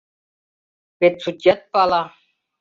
Вет судьят пала!»